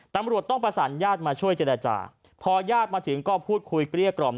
ตำรวจต้องประสานญาติมาช่วยเจรจาพอญาติมาถึงก็พูดคุยเกลี้ยกล่อม